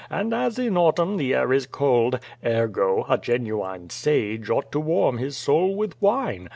And as in autumn the air is cold, ergo, a genuine sage ought to warm his soul with wine.